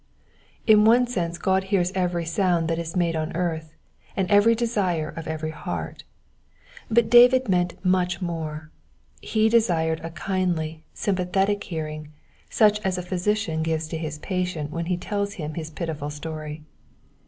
In one sense God hears every sound that is made on earth, and every desire of every heart ; but David meant much more ; he desired a kindly, sympathetic hearing, such as a physician gives to his patient when he tells him his pitiful story.